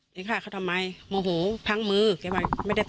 มันเป็นไง